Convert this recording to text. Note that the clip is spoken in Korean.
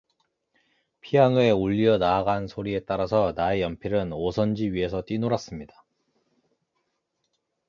피아노의 울리어 나아가는 소리에 따라서 나의 연필은 오선지 위에서 뛰놀았습니다.